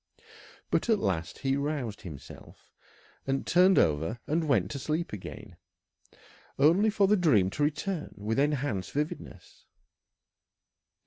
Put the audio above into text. But at last he roused himself, and turned over and went to sleep again, only for the dream to return with enhanced vividness.